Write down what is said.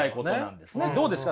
どうですか？